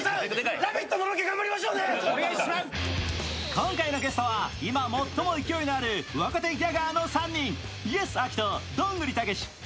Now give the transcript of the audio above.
今回のゲストは、今、最も勢いのある若手ギャガーの３人。